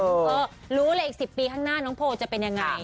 เออรู้เลยอีก๑๐ปีข้างหน้าน้องโพลจะเป็นยังไง